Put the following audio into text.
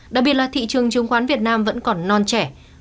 đặc biệt là thị trường chứng khoán việt nam vẫn còn non trẻ